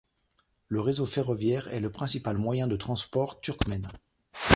Le réseau ferroviaire est le principal moyen de transport turkmène.